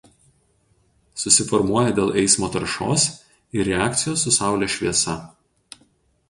Susiformuoja dėl eismo taršos ir reakcijos su saulės šviesa.